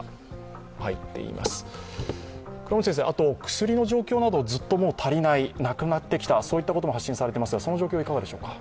薬の状況などずっと足りないなくなってきた、そういったことも発信されていますが、その状況いかがでしょうか？